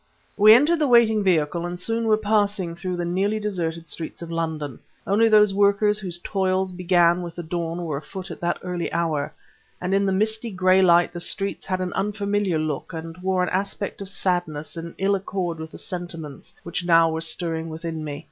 We entered the waiting vehicle and soon were passing through the nearly deserted streets of London. Only those workers whose toils began with the dawn were afoot at that early hour, and in the misty gray light the streets had an unfamiliar look and wore an aspect of sadness in ill accord with the sentiments which now were stirring within me.